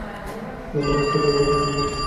লম্বা রাস্তাটা ধরে এলে, নাকি?